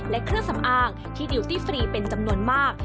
และเครื่องสำอางที่ดิวซี่ฟรีเป็นจำนวนมาก